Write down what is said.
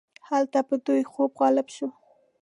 هلته پر دوی خوب غالب شو.